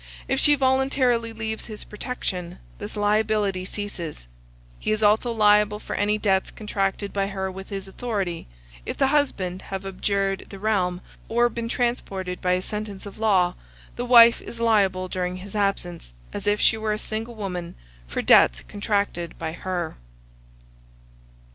If she voluntarily leaves his protection, this liability ceases. He is also liable for any debts contracted by her with his authority. If the husband have abjured the realm, or been transported by a sentence of law, the wife is liable during his absence, as if she were a single woman, for debts contracted by her.